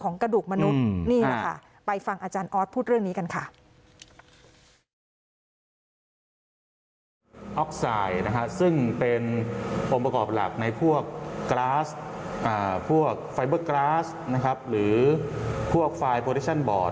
ในพวกกราสพวกไฟเบอร์กราสหรือพวกไฟล์โปรดิชั่นบอร์ด